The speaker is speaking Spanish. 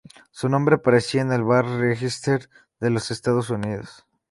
Su nombre aparecía en el Bar Register de los Estados Unidos.